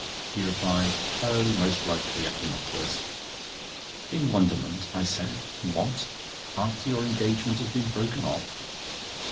He replied: "Oh, most likely at the Mutlars'." In wonderment, I said: "What! after your engagement has been broken off?"